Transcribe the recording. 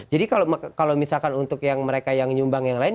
jadi kalau misalkan untuk yang mereka yang nyumbang yang lain